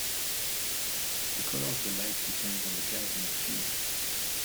The color of the light depends on the gas in the tube.